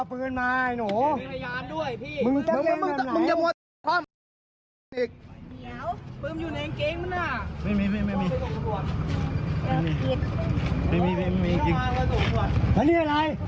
พยายามมาให้หนูมึงจะเล่นไหน